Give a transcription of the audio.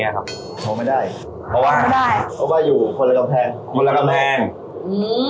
หืม